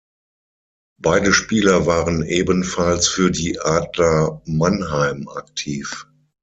Beide Spieler waren ebenfalls für die Adler Mannheim aktiv.